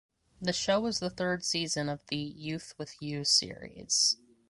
The show is the third season of the "Youth With You" series.